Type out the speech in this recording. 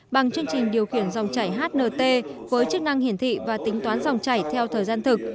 bằng chương trình điều khiển dòng chảy hnt với chức năng hiển thị và tính toán dòng chảy theo thời gian thực